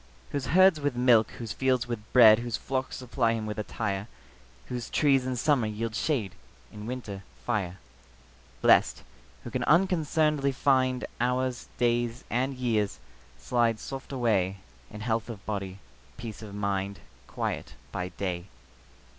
Whose herds with milk, whose fields with bread, Whose flocks supply him with attire; Whose trees in summer yield shade, In winter, fire. Blest, who can unconcern'dly find Hours, days, and years, slide soft away In health of body, peace of mind, Quiet by day.